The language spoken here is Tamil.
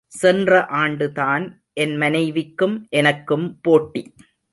சென்ற ஆண்டுதான் என் மனைவிக்கும் எனக்கும் போட்டி.